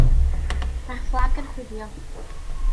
Mae'r fflag yn chwifio.